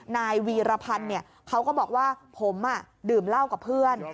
นายวีรพันธ์เขาก็บอกว่าผมดื่มเหล้ากับเพื่อน